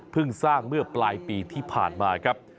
สร้างเมื่อปลายปีที่ผ่านมาครับ